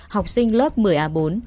học sinh lớp một mươi a bốn